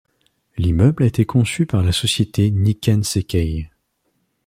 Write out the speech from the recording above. L'immeuble a été conçu par la société Nikken Sekkei.